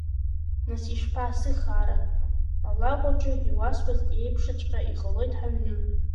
Нас ишԥа, сыхаара, алакәаҿы иуасҳәаз еиԥшыҵәҟьа иҟалоит ҳаҩны.